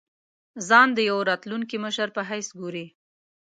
ځان ته د یوه راتلونکي مشر په حیث ګوري.